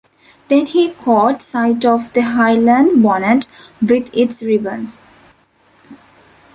Then he caught sight of the Highland bonnet with its ribbons.